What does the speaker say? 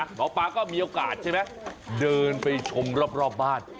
หมอปลาก็มีโอกาสใช่ไหมเดินไปชมรอบบ้าน